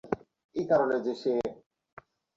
মিম্মি ঠিক আছিস?